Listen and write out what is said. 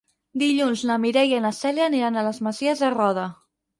Dilluns na Mireia i na Cèlia aniran a les Masies de Roda.